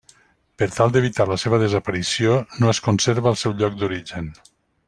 Per tal d'evitar la seva desaparició, no es conserva al seu lloc d'origen.